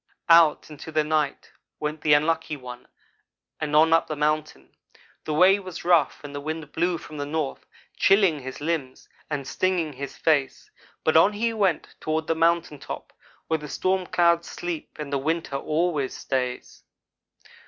"Out into the night went the Unlucky one and on up the mountain. The way was rough and the wind blew from the north, chilling his limbs and stinging his face, but on he went toward the mountain top, where the stormclouds sleep and the winter always stays.